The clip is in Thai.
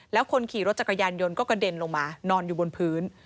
แล้วคนขี่รถจักรยานยนต์ก็กระเด็นลงมานอนอยู่บนพื้น